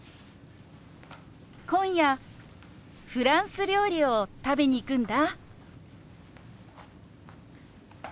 今夜フランス料理を食べに行くんだ。